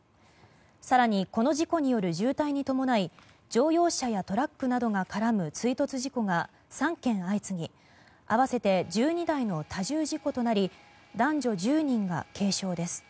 更に、この事故による渋滞に伴い乗用車やトラックなどが絡む追突事故が３件相次ぎ合わせて１２台の多重事故となり男女１０人が軽傷です。